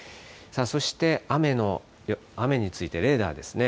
そして雨について、レーダーですね。